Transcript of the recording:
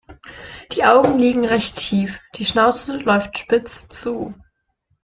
Die Augen liegen recht tief, die Schnauze läuft spitz zu.